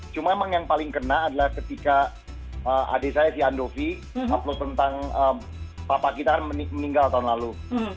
cuma emang yang paling kena adalah ketika adik saya si andovi upload tentang papa kita kan meninggal tahun lalu